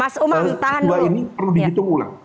sebuah ini perlu dihitung ulang